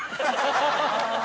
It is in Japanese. ハハハハ！